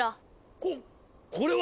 ここれは！